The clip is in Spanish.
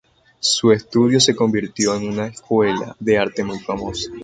Su estudio se convirtió en una escuela de arte muy famosa.